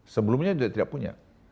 sebelumnya juga tidak punya